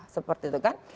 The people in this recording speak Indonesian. seperti itu kan